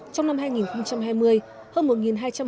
trong năm hai nghìn hai mươi hơn một hai trăm linh hộ nghèo